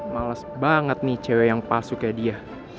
males banget nih cewek yang pasuk kaya dia